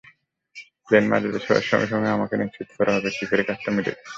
Plane মাটি ছোঁয়ার সঙ্গে সঙ্গে, আমাকে নিশ্চিত করা হবে কিফের কাজটা মিটে গেছে।